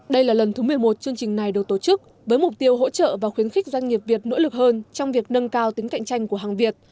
đây là lần thứ một mươi một chương trình này được tổ chức với mục tiêu hỗ trợ và khuyến khích doanh nghiệp việt nỗ lực hơn trong việc nâng cao tính cạnh tranh của hàng việt